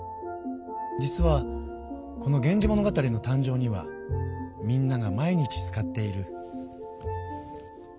実はこの「源氏物語」の誕生にはみんなが毎日使っている。